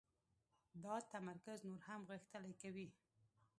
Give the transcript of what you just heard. دا تمرکز نور هم غښتلی کوي